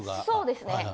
そうですね。